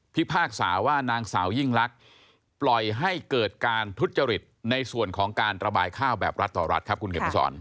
พากษาว่านางสาวยิ่งลักษณ์ปล่อยให้เกิดการทุจริตในส่วนของการระบายข้าวแบบรัฐต่อรัฐครับคุณเขียนมาสอน